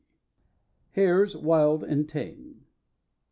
] HARES, WILD AND TAME.